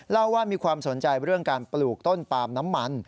เล่าว่ามีความสนใจเรื่องการปลูกต้นปาล์มน้ำมัน